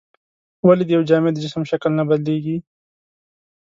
ولې د یو جامد جسم شکل نه بدلیږي؟